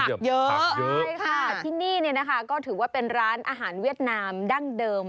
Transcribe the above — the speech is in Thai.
เยอะใช่ค่ะที่นี่เนี่ยนะคะก็ถือว่าเป็นร้านอาหารเวียดนามดั้งเดิม